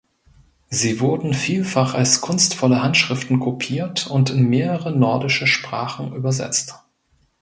Sie wurden vielfach als kunstvolle Handschriften kopiert und in mehrere nordindische Sprachen übersetzt.